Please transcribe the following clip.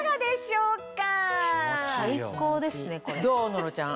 野呂ちゃん。